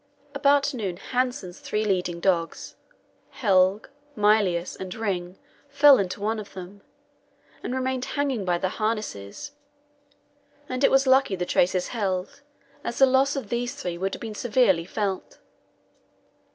About noon Hanssen's three leading dogs, Helge, Mylius, and Ring, fell into one of them, and remained hanging by their harness; and it was lucky the traces held, as the loss of these three would have been severely felt.